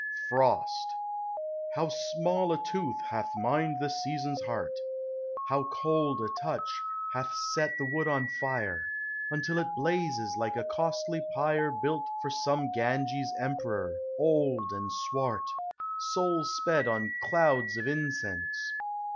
FROST. How small a tooth hath mined the season I heart ! How cold a touch hath set the wood on Are, Until it blazes like a costly pyre Built for some Ganges emperor, old and swart, Soul sped <»n clouds of incense